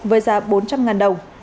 với giá bốn trăm linh đồng